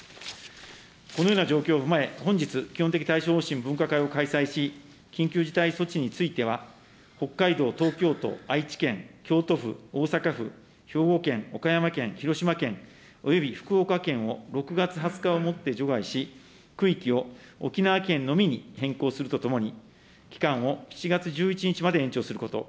このような状況を踏まえ、本日、基本的対処方針分科会を開催し、緊急事態措置については北海道、東京都、愛知県、京都府、大阪府、兵庫県、岡山県、広島県、および福岡県を６月２０日をもって除外し、区域を沖縄県のみに変更するとともに、期間を７月１１日まで延長すること。